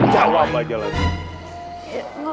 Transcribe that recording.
jalan mbak jalan